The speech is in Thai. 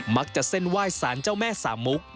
มักจะเส้นว่ายสารเจ้าแม่สามมุก